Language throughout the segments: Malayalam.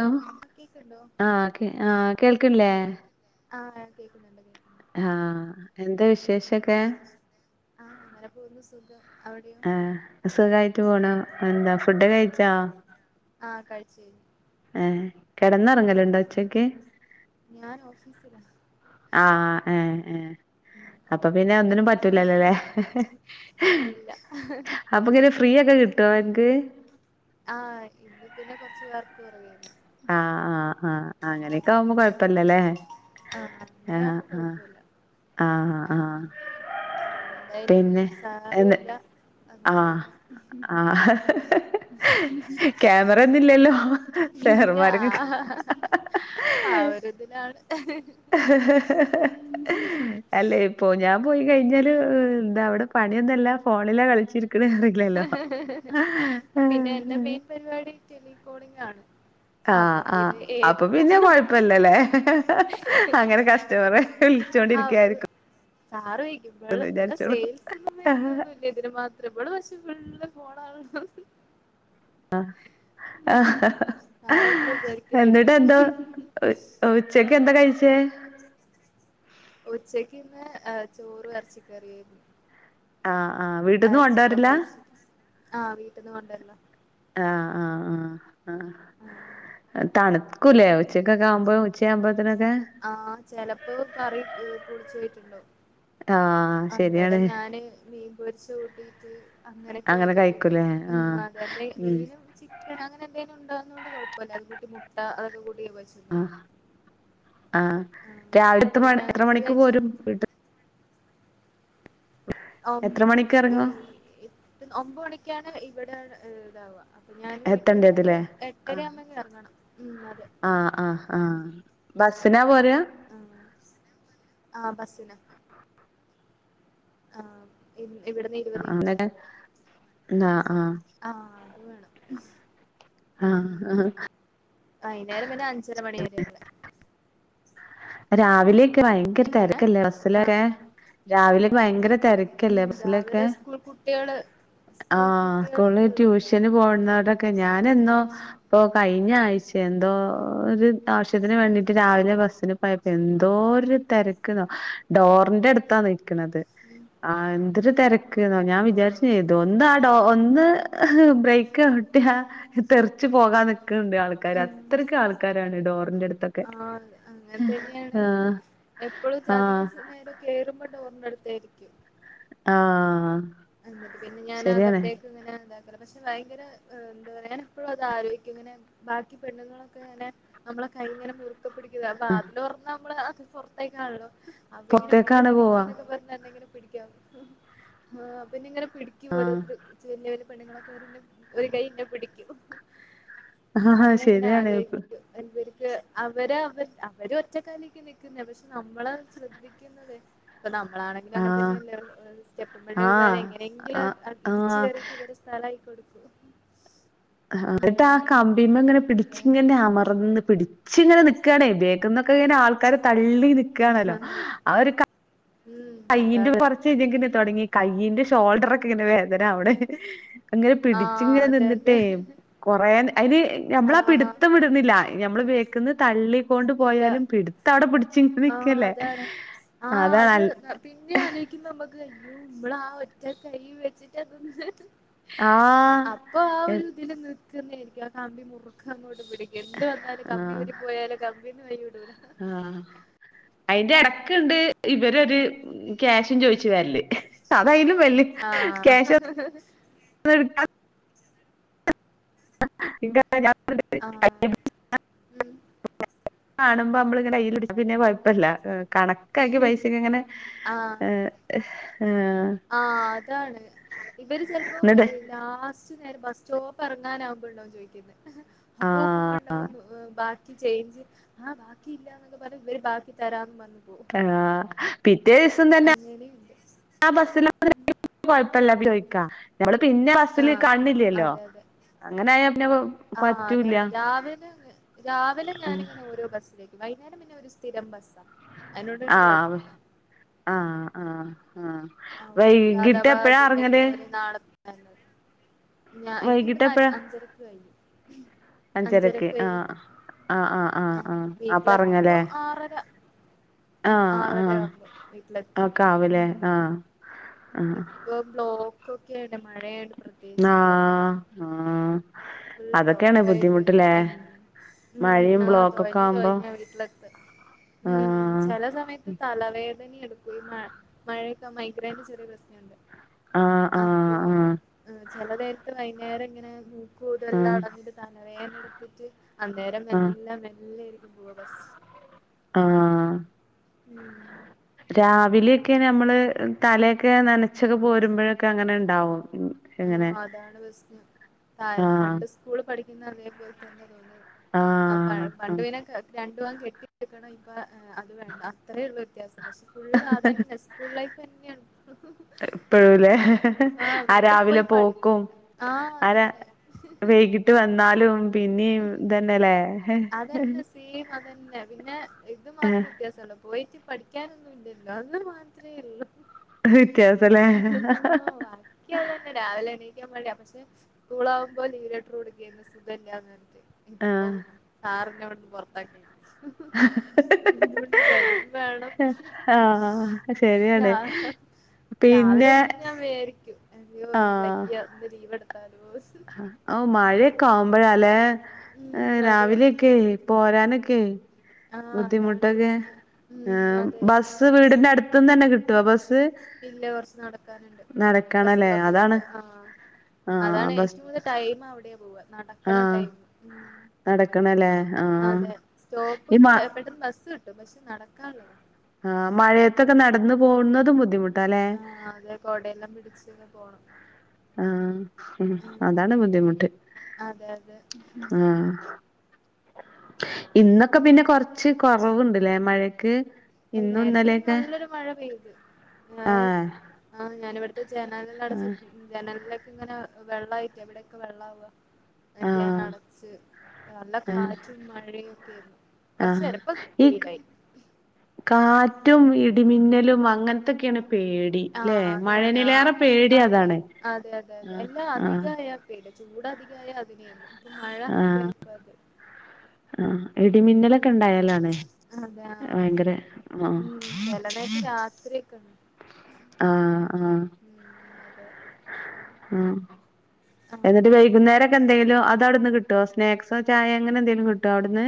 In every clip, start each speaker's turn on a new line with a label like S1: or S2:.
S1: ഹ
S2: ആ കേക്ക്ണ്ടോ
S1: ആ ആ കേൾക്ക്ണ്ല്ലേ
S2: ആ കേൾക്ക്ണ്ട് കേൾക്ക്ണ്ട്
S1: ആ എന്താ
S2: പിന്നെ
S1: വിശേഷൊക്കെ
S2: ആ അങ്ങനെ പോകുന്നു സുഖം അവിടെയോ
S1: ആ സുഖമായിട്ടു പോണു എന്താ ഫുഡ്
S2: ആ
S1: കഴിച്ചാ
S2: ആ കഴിച്
S1: ഏ കെടന്നുറങ്ങലുണ്ടോ ഉച്ചക്ക്
S2: ഞാൻ ഓഫീസിലാ
S1: ആ ഏ ഏ
S2: ഉം
S1: അപ്പൊ പിന്നെ
S2: ഉറക്കൊക്കെ
S1: ഒന്നിനും
S2: പോയി
S1: പറ്റൂലല്ലോല്ലേ
S2: ഇല്ല ഇല്ല
S1: അപ്പൊഇങ്ങനെ ഫ്രീ ഒക്കെ കിട്ടോ അൻക്
S2: ആ ഇന്ന് പിന്നെ കൊറച്ചു വർക് കുറവേന്നു
S1: ആ ആഹ് ആ അങ്ങനെയൊക്കെ ആവുമ്പോ
S2: ഇന്ന്
S1: കൊഴപ്പല്ലല്ലേ
S2: ആ അങ്ങനെയാവുമ്പോ കൊഴപ്പല്ല ആ പിന്നെ എന്തായാലും സാറും ഇല്ല അതുകൊണ്ടിങ്ങനെ
S1: ക്യാമറ ഒന്നുംല്ലല്ലോ
S2: ഇല്ല ആ
S1: സേറമാരക്കെ
S2: ആ ഒരിതിലാണ് ഉം
S1: അല്ലെ ഇപ്പോ ഞാൻ പോയി കഴിഞ്ഞാല് എന്താ അവിടെ പണിയൊന്നല്ല ഫോണിലാ കളിച്ചിരി
S2: പിന്നെ എന്റെ മെയിൻ പരിപാടി ടെലികോളിംങ്ങ് ആണ്
S1: ആ
S2: അപ്പൊ
S1: ആ
S2: പിന്നെ ഏത്
S1: അപ്പൊ പിന്നെ
S2: ഫോണാ
S1: കൊഴപ്പല്ലല്ലേ അങ്ങനെ കസ്റ്റമറെ
S2: അത്
S1: വിളിച്ചോണ്ടിരിക്കായിരിക്കും
S2: [unintelligible] ഇവള്
S1: ന്ന്
S2: ഇവിടെ
S1: വിചാരിച്ചോളൂ
S2: സെയിൽസ്ന്നും
S1: ആ.
S2: വരുന്നൊന്നല്ല ഇതിന് മാത്രം ഇവള് പക്ഷേ [unintelligible] സാറങ്ങനെ
S1: എന്നിട്ട്
S2: വിചാരിക്കലായിരിക്കും
S1: എന്തോ ഉ ഉച്ചക്ക് [unintelligible] എന്താ കഴിച്ചേ
S2: ഉച്ചക്ക് ഇന്ന് ചോരും ഇറച്ചി കറിയായിരുന്നു
S1: ആ ആ വീട്ടീന്ന് കൊണ്ടുവരല
S2: ആ വീട്ടീന്ന് കൊണ്ട് വരലാ
S1: ആ ആ ആ
S2: ആഹ്
S1: ആ തണുക്കൂല്ലേ ഉച്ചക്കൊക്കെ ആവുമ്പോ ഉച്ച ആകുമ്പോ
S2: ആഹ് ചെിലപ്പോ കറി പുളിച്ചൊയിട്ടുണ്ടാവും
S1: ആഹ്
S2: അതേ
S1: ശരിയാണ്
S2: അതെ ഞാന് മീൻ പൊരിച്ചത് കൂട്ടി അങ്ങനെയൊക്കെ
S1: അങ്ങനെ
S2: ആയിട്ടക്കെ
S1: കഴിക്കൂലേ
S2: കഴിക്കും ഉം
S1: ആഹ്
S2: അതെ എന്തേലും
S1: ഉം
S2: മീനും ചിക്കന അങ്ങനെ എന്തേ ഉണ്ടരിന്നോണ്ട് കൊഴപ്പമില്ല അത് കൂട്ടി മുട്ട അത്
S1: ആഹ് ആഹ്
S2: ആഹ്
S1: രാവിലെ എത്ര
S2: പിന്നെ
S1: മണി എത്ര
S2: ഇങ്ങള്
S1: മണിക്ക്
S2: കഴിച്ചോ
S1: പോരും വീട്ട്
S2: ഓ
S1: എത്ര മണിക്ക്
S2: ഈ
S1: എറങ്ങും
S2: ഒമ്പത് മണിക്കാണ് ഇവിടെ ഇതാവുക അപ്പൊ ഞാൻ വീട്ട്ന്നൊരു
S1: എത്തണ്ടേതില്ലേ ആഹ്
S2: എട്ടരയാവുമ്പ ഇങ്ങ് ഇറങ്ങണം ഉം അതെ
S1: ആഹ് ആഹ് ആഹ് ബസ്സിനാ പോരുക
S2: ആ ആഹ് ബസിന് ആഹ് ഇ ഇവിടുന്ന് ഇരുപത് മിനുട്
S1: എന്ന
S2: ആഹ് അത് വേണം
S1: ആ ആ
S2: വൈകുന്നേരം പിന്നെ അഞ്ചര മണി വരെള്ളേ
S1: രാവിലെ ഭയങ്കര
S2: എങ്ങനെ
S1: തിരക്കല്ലേ
S2: ആഹ്
S1: ബസിലൊക്കെ രാവിലക്കോ ഭയങ്കര തിരക്കല്ലേ
S2: ഉം
S1: ബസിലൊക്കെ
S2: രാവിലെ സ്കൂൾ കുട്ടികള്
S1: ആ
S2: സ്കൂൾ
S1: സ്കൂളിലെ
S2: കുട്ടികളൊക്കെ ഉള്ളോണ്ടേ
S1: ട്യൂഷന് പോണോടൊക്കെ ഞാൻ
S2: ഉം
S1: എന്നോ കൈ കഴിഞ്ഞാഴ്ച
S2: ഉം
S1: എന്തോര് ആ [unintelligible] ത്തിന് വേണ്ടിയിട്ട രാവിലെ ബസ് പ്പോ എന്തോ ഒരു തിരക്ക ഡോറിന്റെ അടുത്താ നൽക്കണുന്നത്
S2: ഉം
S1: ആ എന്തൊരു തിരക്ക് ക്ക്‌ ഞാൻ
S2: ഓ
S1: വിചാരിച്ച
S2: അത്
S1: ചെയ്തു
S2: ശരി
S1: ഒന്ന് ആ ഡോ ഒന്ന് ഹ് ഹ് ബ്രേക്ക് ചവ്ട്ടിയ തെറച്ച് പോകാൻ നിക്ക ണ്ട് ആൾക്കാർ അത്രയ്ക്ക് ആൾക്കാരാണ് ഡോറിന്റെ അടുത്ത്
S2: ആഹ തന്നെയാണ് എപ്പോഴും അതിക
S1: ആഹ്
S2: നേരം കേയറുമ്പോ ഡോർ ടുത്തായിരിക്കും
S1: ആഹ
S2: എന്നന്നിട്ട് പിന്നെ ഞാൻ അകത്തേക്ക് ഇങ്ങനെ പക്ഷെ ഭയങ്കര എന്താ ഞാന എപ്പോഴും അത് ആലോചിക്കും ഇങ്ങനെ ബാക്കി പെണ്ണുങ്ങളൊക്കെ അങ്ങെ നമ്മളെ കൈ ഇങ്ങനെ മുറി ക്കെ പിടിക്കുക അപ്പൊ അതിലോറന്ന് നമ്മള് പുറത്തേ കാണല്ലോ അപ്പ ഇങ്ങെ മോളെ
S1: പൊറത്തേക്കാണ്
S2: പിടിക്കി
S1: പോവാ
S2: എന്നൊക്കെ പറഞ്ഞ അന്തെങ്കനും [unintelligible] പിടിക്ക ആഹ അ പിന്നെ നിങ്ങനെ പിടടിക്ക് ഓരോരു ചിലര് പെണ്ണുങ്ങളൊക്കെ ഒരു കയ് ന്നേ പിടിക്കും
S1: ആഹ്
S2: എങ്ങനെ
S1: ശരിയാണ്
S2: ആഗോഹിക്കു അ [unintelligible] അവര് അവർ അവര ഒറ്റക്കാലേക്ക് നൽക്കുന്ന പക്ഷെ നമ്മള ശ്രദ്ധിക്കുന്നത് ഇപ്പൊ നമ്മളാണെങ്കിൽ അങ്ങനെ
S1: ആഹ്
S2: തന്നെ് സ്റ്റപ് ഴ
S1: ആഹ് ആ
S2: എങ്ങനെങ്കിലും പിടിച്ച
S1: ആഹ്
S2: കയറിട്ട് വ സ്തല കയിക്കൊടുക്കൂ
S1: എന്നിട്ട് ആ കമ്പീമ്മ ഇങ്ങനെ പിടിച്ച
S2: അതെ
S1: ഇങ്ങനെ അമർന്ന് പിടിച്ച ഇങ്ങനെ നി നിക്കാണ് ബാക്കിൽ നിന്നൊക്കെ ആൾക്കാര് താ തള്ളി നിക്കയാണല്ലോ ആ ഒരു
S2: ഉം
S1: കയിന്റെ
S2: അതാണ്
S1: കുറച്ച് ഇ [unintelligible] തുടങ്ങി കൈയിന്റെ ഷോൾഡറൊ ക്ക് ങ്ങനെ വേദന ആവ് ണ് അങ്ങനെ
S2: ആഹ്
S1: പിടിച്ചങ്ങനെ
S2: അതെ അതെ
S1: നിന്നിട്ടേ കൊറേ അയിന് ഞമ്മളാ
S2: ആഹ്
S1: പിടുത്തം വിടുന്നില്ല നമ്മള്
S2: ഉം
S1: ബേക്ന്ന് തള്ളി കൊണ്ട്
S2: ഇല്ല
S1: പോയാലും പിടിത്ത അവിടെ പിടിച്ച ച്ച്
S2: ആഹ്
S1: നിക്കല്ലേ
S2: അതാണ് ആഹ്
S1: അതാണ്
S2: അത്
S1: അൽ
S2: പിന്നെ ആലോയ്ക്കുമ്പം നമുക്ക് അയ്യോ ഇമ്മളാ ഒറ്റ കൈ വെച്ചിട്ട് അതൊന്ന്
S1: ആഹ്
S2: അപ്പൊ ആ ഒരു ഇതിലന്ന് [unintelligible] ന്നേ ആരിക്കും ആ കമ്പി മുറുക്കങ്ങോട്ട് പി [unintelligible] എന്ത് വന്നാലും
S1: ആഹ്
S2: കമ്പിയൂരി പോയാലും ക [unintelligible]
S1: ആഹ് അയിന്റെ ഇടക്കുണ്ട് ഇവരൊരു ക്യാഷും ചോയിച്ച് വരല് അതയിലും
S2: ആഹ്
S1: [unintelligible] [unintelligible] [unintelligible]
S2: ആഹ് ഉം
S1: കാണുമ്പോ നമ്മളിങ്ങനെ [unintelligible] പിന്നെ കുഴപ്പില്ല കണക്കാക്ക്യ പൈസക്ക് ഇങ്ങനെ ഏ
S2: ആ അതാണ് ഇവര് ചിലപ്പോ
S1: എന്നിട്ട്
S2: ലാസ്റ്റ് നേരെ ബസ് സ്റ്റോപ്പ് ഇറങ്ങാനാവുമ്പൊണ്ടാവും ചോദിക്കുന്നത്
S1: ആഹ്
S2: അപ്പോകുംമ്പണ്ടാവും ബാ ക്കി ചേഞ്ച് ആ ബാക്കി ഇല്ലാന്നൊക്കെ പറഞ്ഞ് ഇവര് ബാക്കി തരാന്ന് പർ ഞ്ഞ്
S1: ആഹ് പിറ്റേ ദിവസം തന്നെ
S2: അങ്ങനെയുണ്ട്
S1: ആ ബസില് [unintelligible] ചോദിക്കാ ഞമ്മള് പിന്നെ ബസ്സിൽ
S2: ആഹ്
S1: കാണ്ണില്ലല്ലോ അങ്ങനായ പിന്നെ
S2: ആ
S1: പറ്റൂല്ല
S2: അതാണ് രാവിലെ രാവിലെ ഞാനിങ്ങനെ ഓരോ ബസ്സിലേ വൈകുന്നേരം പിന്നെ ഒരു സ്ഥിരം ബസാണ്
S1: ആഹ് ആഹ് ആഹ് ആഹ് വൈകിട്ട് എപ്പഴാ അറങ്ങല്
S2: അന്ന് ഞ എനിക്കവിടന്ന്
S1: എപ്പഴാ
S2: അഞ്ചരക്ക് കഴിയും
S1: അഞ്ചരക്ക്
S2: അഞ്ചരക്കഴിയും
S1: ആഹ് ആഹ് ആഹ് ആഹ്
S2: ആ
S1: ആഹ് ആ
S2: വീട്ടിലെത്തുമ്പോ
S1: പറഞ്ഞല്ലേ
S2: ആറര ഉം
S1: ആഹ് ആഹ്
S2: ആറരാവുമ്പോ വീട്ടിലെത്തും
S1: ഒക്കെ ആവുലേ ആഹ്
S2: ഇപ്പ ബ്ലോ ക്കൊക്കെ
S1: ആആ ആ
S2: ഫുൾ ബ്ലോക്കായിട്ട് എങ്ങ ഉം
S1: മഴയും
S2: ആ
S1: ബ്ലോക്കൊക്കെ
S2: തൊഴഞ്ഞ്
S1: ആവുമ്പോ
S2: തൊഴഞ്ഞാവീട്ടിലെത്ത ഉം
S1: ആഹ്
S2: ചെല സമയത്ത് തലവേദ തനീഎടുക്കോ ഈ മ മഴയെ ത മൈഗ്രെന്റെ ചെറിയ പ്രശ്നണ്ട്
S1: ആഹ്
S2: അപ്പോ
S1: ആഹ് ആഹ്
S2: ഹ് ചെലനേരത്ത് ഭ - നേരെങ്ങനെയ കൂടെല്ലാം
S1: ആഹ്
S2: അടഞ്ഞിട്ട് തലവേന എടുത്തിട്ട് അന്നേരം
S1: ആഹ്
S2: എല്ലാം മെല്ലെ പൂവാ ബസ്സ്
S1: ആ രാവിലെ ക്കെ നമ്മള് തലയൊക്കെ നനച്ചത് പോരുമ്പോഴൊക്കെ അങ്ങനെണ്ടാവും
S2: ആ അതാണ് പസ്നം താണ്
S1: ആഹ്
S2: പണ്ട് സ്കൂള് പഠി പിന്നതേ പോൽതന്നെ അതെ ആ പ
S1: ആഹ്
S2: പണ്ട് പിന്നെ ക്കെ രണ് ഇത്വാൻ കെട്ടിട്ട്ക്കണ ഇമ്പാ ഹ് അത് വേണ്ട അത്രേ ഉള്ളൂ വ്യത്യാസസ് ഫുള്ള് അതന്നെ സ്കൂൾ ലൈഫ്
S1: ഇപ്പഴുംല്ലേ ആ രാവിലെ
S2: പോയി
S1: പോക്കും
S2: പഠിക്കണ്ട ആ
S1: അനെ
S2: അതന്നെ
S1: വൈകിട്ട് വന്നാലും പിന്നീ തെന്നെലേ
S2: തന്നെ പിന്നെ ഇത് മാത്രം വ്യത്യാസണ്ട് പോയിട്ട് പഠിക്കാനൊന്നും ഇല്ലല്ലോ അന്ന്ന്ന് മാത്രേ ഉള്ളൂ
S1: വ്യത്യാസല്ലേ
S2: ബാക്കിയത് തന്നെ രാവിലെണി എവടെ അമ്മൂസേ സ്കൂളാകുമ്പോ ലീവ് ലെട്ടർ കൊടുക്കേന്ന് സുഖല്ല്യാന്ന്‌ ഇതിപ്പം
S1: ആഹ്
S2: ആറ് ഗ്രൗണ്ട് പൊറത്താക്കി ഇ തുകൊണ്ട് വരും വേണം
S1: ആഹ്
S2: സ്സ്‌ രാ
S1: ശരിയാണ് പിന്നെ
S2: രാവിലിരുന്ന് ഞാൻ വേവിക്കും അയ്യോ ന്ന്‌ വയ്യ ഇന്ന് ലീവെടു
S1: ഹ് ഔ മഴയൊക്കെ ആവുമ്പൊഴാ ലേ ഏ
S2: ഉം അതെ
S1: രാവിലെയൊക്കെ പോരാനൊക്കെ ക്കെ
S2: ആഹ് അതാണ്
S1: ബുദ്ധിമുട്ടൊക്കെ
S2: പ്രശ്നം
S1: ഏ
S2: ഉം അതെ
S1: ബസ് വീടിന്റെ അടുത്തു നിന്ന് തന്നെ കിട്ടും ബസ്
S2: ഇല്ല കുറച്ച് നടക്കാനുണ്ട്
S1: നടക്കണല്ലേ അതാണ്
S2: ബസ്റ്റോപ്പിലേക്ക് ആ
S1: ആഹ്
S2: അതാണ്
S1: ബസ്
S2: ഏറ്റവും കൂടുൽ ടൈം അവിടെയാ പോവാ നടക്കണ
S1: ആഹ്
S2: ടൈം മ്
S1: നടക്കണല്ലേ ആഹ്
S2: അതെ
S1: ഈ
S2: സ്റ്റോപ്പെന്ന്
S1: മ
S2: പെട്ടെന്ന് ബസ് കിട്ടും പക്ഷെ നടക്കാനുള്ളതാ
S1: ആ മഴയത്തൊക്കെ നടന്നു പോകുന്നതും ബുദ്ധിമുട്ട്
S2: ആ അതെ കൊടയെല്ലാം പിടിച്ചൊക്കെ പോണം
S1: ആഹ് ഉ
S2: ആഹ്
S1: അതാണ് ബുദ്ധിമുട്ട്
S2: അതെ അതെ
S1: ആഹ് [unintelligible] ഇന്നൊക്കെ പിന്നെ കുറച്ച് കൊറവുണ്ടല്ലേ മഴ ക്ക്
S2: അ നേരത്തെ ഒരു നല്ലൊരു മഴ പെയ്ത് ഞൻ
S1: ആഹ്
S2: ആ ഞാനിവിടെ ജനലടച്ചു
S1: ആഹ്
S2: ജനല ഇങ്ങനെ വെള്ളമായിട്ട് എവിടെയൊക്കെ വെള്ള ആവുക മറ്റേ അത്
S1: ആഹ്
S2: അടച്ച് നല്ല
S1: ആഹ്
S2: കാറ്റും മഴയും ഒക്കൊയിരുന്നു കൊറച്ചു
S1: ആഹ്
S2: നേരം ഇപ്പ
S1: ഈ
S2: വെയിലായി
S1: കാറ്റും ഇടിമിന്നലും അങ്ങനത്തൊക്കെയാണ് പേടി
S2: ആ
S1: ല്ലേ
S2: അതാണ് ആ
S1: മഴേനിലേറെ പേടി
S2: അതെ
S1: അതാണ്
S2: അതെ അതെ അതെ
S1: ആഹ്
S2: എല്ലാം
S1: ആഹ്
S2: അധികയാൽ പേടിയ ചൂടധികാ ചൂടായാൽ അതിനെലും ഇപ്പൊ മഴ
S1: ആഹ്
S2: അധിക ആയപ്പം അത്
S1: ആഹ് ഇടിമിന്നലൊക്കെ
S2: ഉം
S1: ഉണ്ടായാലാണേ
S2: അതെ ആഹ്
S1: ഭയങ്കര ആ
S2: ഉം ചെല നേരത്ത് രാത്രിയൊക്കെണ്ട്
S1: ആഹ് ആഹ്
S2: ഉം അതെ
S1: ഉം
S2: ആഹ്
S1: എന്നിട്ട് വൈകുന്നേരംക്കെ എന്തെങ്കിലും അത അവിടുന്ന് കിട്ടോ സ്നാക്സോ ചായ അങ്ങനെ എന്തെങ്കിലും കിട്ടോ അവിടുന്ന്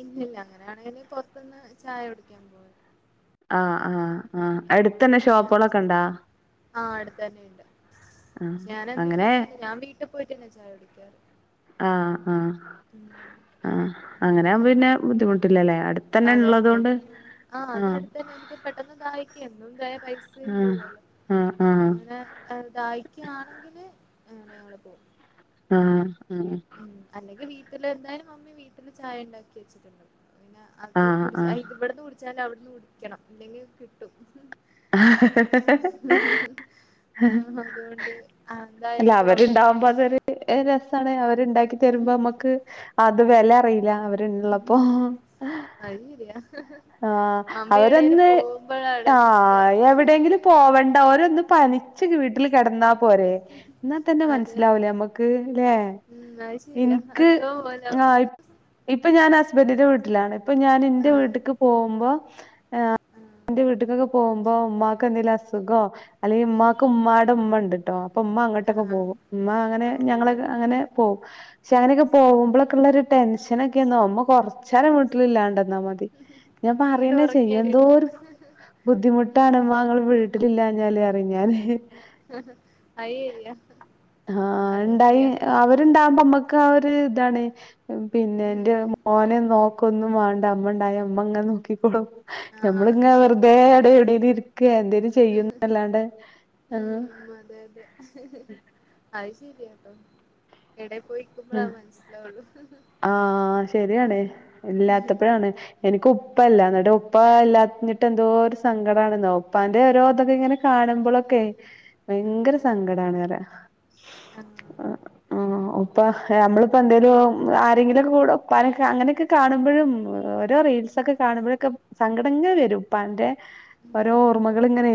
S2: ഇല്ലല്ല അങ്ങനെയാണെങ്കി പൊറത്തുന്ന് ചായ കുടിക്കാൻ പോവ
S1: ആഹ് ആഹ്
S2: ആ
S1: അടുത്തന്നെ ഷോപ്പുകളൊക്കെ ഉണ്ടാ
S2: ആഹ് അടുത്ത തന്നെണ്ട്
S1: ആഹ്
S2: ഞാനെന്നും
S1: അങ്ങനെ
S2: അങ്ങനല്ല ഞാൻ വീട്ടിൽ പോയിട്ടന്നെ ചാ കുടിക്കാറ്
S1: ആഹ്
S2: ഉം
S1: ആഹ് ആ
S2: അതെ
S1: ഉള്ളത്
S2: അതും
S1: കൊണ്ട് ആഹ്
S2: അതടുത്ത തന്നെ നമുക്ക് പെട്ടെന്ന് ദാഹിക്കെ എന്തായലും പൈസയും
S1: ആഹ്
S2: പോവല്ലോ
S1: ആഹ്
S2: അ
S1: ആഹ്
S2: അങ്ങനെ ദാഹിക്കുവാണെങ്കില് അങ്ങനെ ഞങ്ങള് പോവും
S1: ആഹ്
S2: ഉം അല്ലെങ്കിൽ വീട്ട വീല് എന്തായാലും മമ്മി വീട്ടില് ചായ ഉണ്ടാക്കി വെച്ചിട്ടുണ്ടാവും പിന്നെ അത്
S1: ആഹ് ആഹ്
S2: കുടിച്
S1: ആഹ്
S2: ഇവിടുന്ന് കുടിച്ചാലും അവിടന്ന് കുടിക്കണം അല്ലെങ്കിൽ കിട്ടും ആഹ് അതുകൊണ്ട് ആ,
S1: അല്ല
S2: എന്തായാലും അവിടുന്ന്
S1: അവരുണ്ടാവുമ്പോ
S2: കുടിക്കും
S1: അതൊരു രസമാണ് അവര് ഉണ്ടാക്കി തരുമ്പോ നമ്മക്ക് അത് വെല [unintelligible]
S2: ഉം അത് ശരിയാ
S1: ആ
S2: മമ്മി എടേല്
S1: അവരൊന്ന്
S2: പോകുമ്പോഴാണ്
S1: ആ
S2: പ്രശ്നം
S1: എവിടെയെങ്കിലും പോവണ്ട അവരൊന്ന് പനിച്ചങ്ങ് വീട്ടിൽ കെടന്നാ പോരെ എന്നാൽ തന്നെ
S2: അതെ
S1: മനസിലാവൂലേ നമ്മക്ക്ല്ലേ
S2: ഉം അത് ശരിയാ
S1: എനിക്ക്
S2: എന്തോ പോലെ
S1: ഏഹ് ഇപ്പ ഞാൻ ഹസ് [unintelligible] വീട്ടിലാണ് അപ്പൊ ഞാൻ എന്റെ
S2: ആഹ്
S1: വീട്ട്ക്ക് വുമ്പോ ആ്
S2: ആഹ്
S1: എന്റെ വീട്ടക്കൊക്കെ പോകുമ്പോ ഉമ്ക്ക് എന്തെങ്കലും അസുഖോ അല്ലെങ്കിൽ ഉമമാക്ക് ഉമ്മായുടെടെ ഉമ്മ ഉണ്ട് ോ അപ്പൊ ഉമ്മ അങ്ങോട്ടൊക്കെ
S2: ആഹ്
S1: പോകും ഉമ്മ അങ്ങനെ ഞങ്ങളെ
S2: ഓഹ്
S1: അങ്ങനെ പോകും പക്ഷെങ്ങനൊക്കെ പോകുമ്പോഴൊക്കെള്ള ഒരു ടെൻഷനൊക്കെന്ന നുമമ്മ കുറച്ച നോലം വീട്ടില ഇില്ലാ മതി ഞാൻ
S2: വീട്
S1: പറയണ്ടേ ചെയ്യും എന്തോ
S2: ഉറങ്ങിയവരുണ്ട്
S1: ഒരു
S2: ഉം
S1: ബുദ്ധിമുട്ടാണ്മ്മങ്ങൾ വീട്ടിലില്ല ഞ്ഞാലേ അറിഞ്ഞഞൻ
S2: ആഹ അയരിയ
S1: ആഹ ഉണ്ടായി അവരുണ്ടകുമ്പോ നമ്മക്ക് ആ ഒരു തെ പിന്നെ എന്റെ
S2: ഉം
S1: മോനെ നോ ഒൊന്നും വേണ്ട അമ്മ ഉണ്ടായ അമ്മ അങ്ങനെ നോക്കി ഓ
S2: ആഹ് അത്
S1: നമ്മളിങ്ങ
S2: ശരിയാ
S1: വെറുതെ എടെ എവിടെ എന്തേിലും ചെയ്യന്ന അല്ലാണ്ട് ആ
S2: ഉം അതെ അതെ അത് ശീരിയയാട്ടോ എടെ പോയി
S1: ഉ
S2: നിക്കുമ്പളാ മനസ്സിലാവുള്ളു
S1: ആഹ ശരിയാണ്േ
S2: ഉം
S1: ഇല്ലാത്തപ്പോഴാണ് എനിക്ക് ഉ ഉപ്പ ഇല്ലാഞ്ഞിട്ട് എന്തോ ഒരു സങ്കടണെന്നോ ഉപ്പാന്റെ ഓരോ ഇതൊക്കെ ഇങ്ങനെ കാണുമ്പോഴൊക്കെ ഭയങ്കര
S2: ആണല്ലേ
S1: സങ്കടാണ് വറെ
S2: ആഹ്
S1: ആ ഇപ്പൊ നമ്മളിപ്പോ എന്തേലും ആരെങ്കിലുംക്കെ കൂട ഉപ്പാനൊെ അങ്ങനെയൊക്കെ കാണുമ്പോഴും ഓരോ റീൽസ്
S2: ഉം
S1: ഒക്കെ കാണുമ്പോഴൊക്കെ സങ്കടങ്ങെ വരും ഉപ്പാന്റെ ഓരോ
S2: ഉം
S1: ഓർമ്മകൾ ഇങ്ങനെ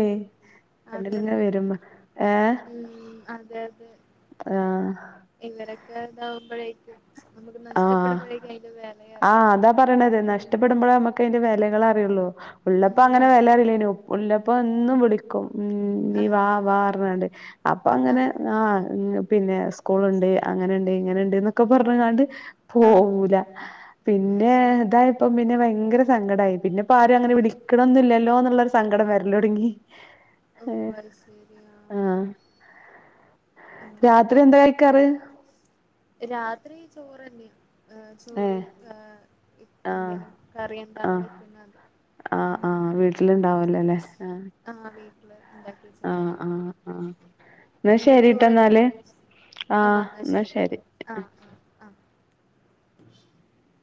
S2: അതെ
S1: കണ്ണിലിങ്ങനെ
S2: അതെ
S1: വരുമ്പോ ഏ
S2: ഉം അതെ അതെ
S1: ആഹ
S2: ന്താവുമ്പോഴേക്കും
S1: ആഹ ആഹ
S2: അറിയാം
S1: അതാ പറയണത്
S2: ഉം
S1: നഷ്ടപ്പെടുമ്പോഴ നമ്മുക്ക് അതിന്റെ വിലക പറുള്ളൂ ഉള്ളപ്പ
S2: ഉം
S1: അങ്ങനെ
S2: അതെ
S1: വിലാറില്ലേ ഉള്ള അപ്പൊ എന്നും വിളിക്കും ഉം നീ വാ
S2: ആഹ്
S1: വാറണണ്ട് അപ്പൊ അങ്ങനെ
S2: ആഹ്
S1: ആഹ് പിന്നെ സ്കൂൾ ഉണ്ട് അങ്ങനെയുണ്ട് ഇങ്ങനെയുണ്ട് എന്നൊക്കെ പറഞ്ഞാണ്ട്
S2: ആഹ്
S1: പോവൂല
S2: അത്
S1: പിന്നെ
S2: ശരി
S1: ഇതായപ്പ പിന്നെ ഭയങ്കര സങ്കടം ആയി പിന്നെപ്പൊ ആരും അങ്ങനെ
S2: ഉം
S1: വിളിക്കണംന്നില്ലല്ലോ എന്നുള്ള സങ്കടം വരലൊടുങ്ങി
S2: ഓ അത് ശരിയാ
S1: ആഹ് രാത്രി എന്താ കഴിക്കാറ്
S2: രാത്രി ചോറ് തന്നെയാ ഏ
S1: ഏഹ്
S2: ചോറും ഏ
S1: ആഹ്
S2: എന്തേലും കറി എന്തണോ
S1: ആഹ്
S2: വെക്കുന്നത്
S1: ആഹ് ആഹ് വീട്ടിലുണ്ടാവല്ലോ
S2: നമ്മ വീട്ടി
S1: ആആഹ് ആ എന്നാ
S2: നിങ്ങളും
S1: ശരിട്ടേ എന്നാല്
S2: ചോറന്നെയാണോ
S1: ആഹ് എന്നാ ശരി
S2: ആ ആ ആ [inaudible]